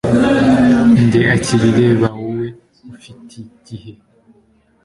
Njye akira reba wowe ufitigihe